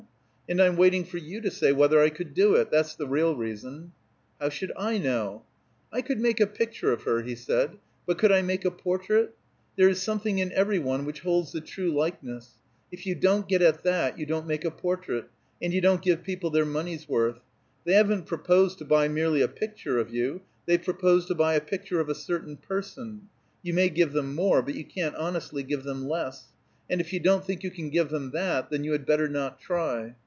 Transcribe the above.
"And I'm waiting for you to say whether I could do it. That's the real reason." "How should I know?" "I could make a picture of her," he said, "but could I make a portrait? There is something in every one which holds the true likeness; if you don't get at that, you don't make a portrait, and you don't give people their money's worth. They haven't proposed to buy merely a picture of you; they've proposed to buy a picture of a certain person; you may give them more, but you can't honestly give them less; and if you don't think you can give them that, then you had better not try.